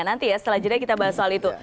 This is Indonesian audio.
nanti ya setelah jeda kita bahas soal itu